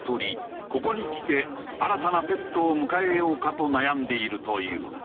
ここにきて新たなペットを迎えようかと悩んでいるという。